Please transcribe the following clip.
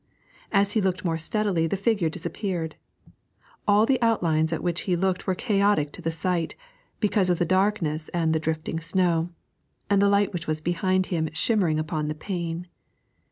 As he looked more steadily the figure disappeared. All the outlines at which he looked were chaotic to the sight, because of the darkness and the drifting snow, and the light which was behind him shimmering upon the pane.